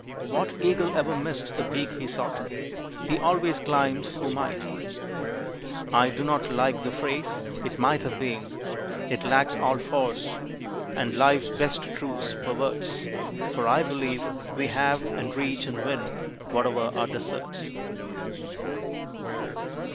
What eagle ever missed the peak he sought? He always climbs who might. I do not like the phrase, "It might have been!" It lacks all force, and life's best truths perverts: For I believe we have, and reach, and win, Whatever our deserts.